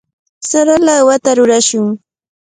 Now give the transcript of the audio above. Sara lawata rurashun.